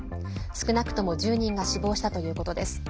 少なくとも１０人が死亡したということです。